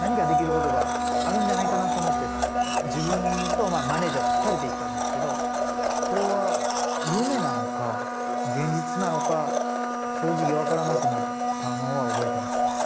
何かできることがあるんじゃないかなと思って、自分とマネージャーと２人で行ったんですけど、これは夢なのか現実なのか、正直分からなくなったのは覚えてますね。